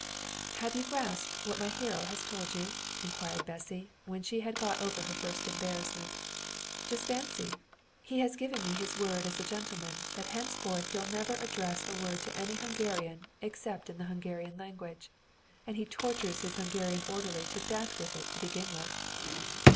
"Have you grasped what my hero has told you?" inquired Bessy, when she had got over her first embarrassment. "Just fancy! he has given me his word as a gentleman that henceforth he'll never address a word to any Hungarian except in the Hungarian language. And he tortures his Hungarian orderly to death with it to begin with."